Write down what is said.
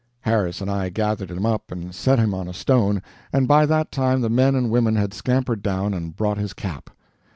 Harris and I gathered him up and set him on a stone, and by that time the men and women had scampered down and brought his cap.